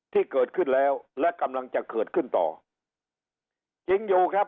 ที่เกิดขึ้นแล้วและกำลังจะเกิดขึ้นต่อจริงอยู่ครับ